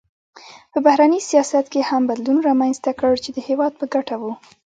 په بهرني سیاست کې هم بدلون رامنځته کړ چې د هېواد په ګټه و.